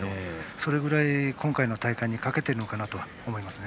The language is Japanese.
それぐらい、今回の大会にかけているのかなと思います。